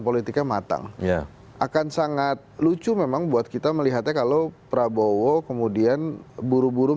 politiknya matang ya akan sangat lucu memang buat kita melihatnya kalau prabowo kemudian buru buru